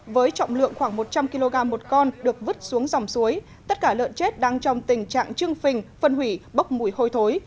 với trọng lượng khoảng một trăm linh kg một con được vứt xuống dòng suối tất cả lợn chết đang trong tình trạng chưng phình phân hủy bốc mùi hôi thối